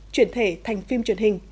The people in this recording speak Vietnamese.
chuyển thể thành phim truyền hình